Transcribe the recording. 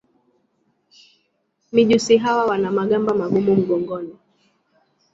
Mijusi hawa wana magamba magumu mgongoni.